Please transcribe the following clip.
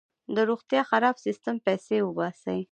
د روغتیا خراب سیستم پیسې وباسي.